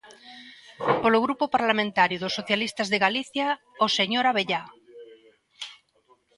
Polo Grupo Parlamentario dos Socialistas de Galicia, o señor Abellá.